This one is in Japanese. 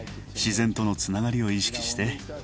自然とのつながりを意識して。